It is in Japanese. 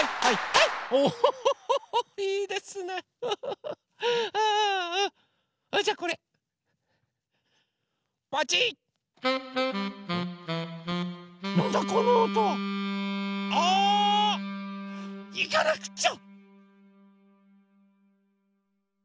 いかなくちゃ！